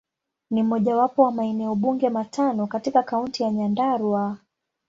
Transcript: Ni mojawapo wa maeneo bunge matano katika Kaunti ya Nyandarua.